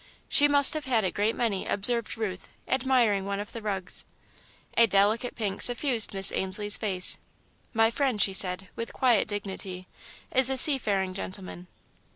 "She must have had a great many," observed Ruth, admiring one of the rugs. A delicate pink suffused Miss Ainslie's face. "My friend," she said, with quiet dignity, "is a seafaring gentleman."